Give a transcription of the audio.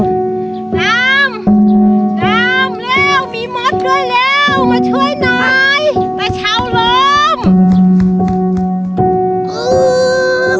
น้ำน้ำเร็วมีหมดด้วยเร็วมาช่วยหน่าย